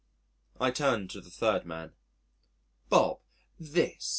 I turned to the third man. "Bob this!